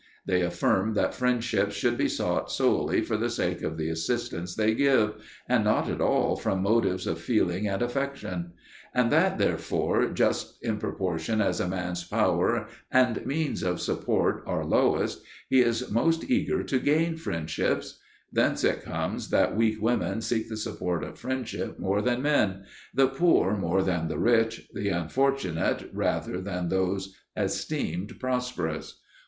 They affirm that friendships should be sought solely for the sake of the assistance they give, and not at all from motives of feeling and affection; and that therefore just in proportion as a man's power and means of support are lowest, he is most eager to gain friendships: thence it comes that weak women seek the support of friendship more than men, the poor more than the rich, the unfortunate rather than those esteemed prosperous.